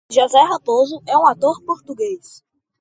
José Raposo é um ator português.